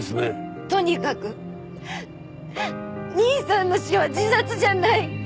とにかく兄さんの死は自殺じゃない！